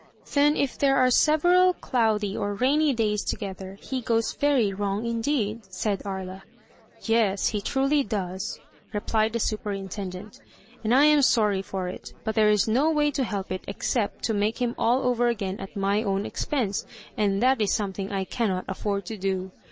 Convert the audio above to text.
"Then, if there are several cloudy or rainy days together, he goes very wrong indeed,*' said Aria. "Yes, he truly does," replied the superintendent, "and I am sorry for it. But there is no way to help it except to make him all over again at my own expense, and that is something I cannot afford to do.